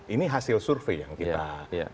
ini hasil survei yang kita dapatkan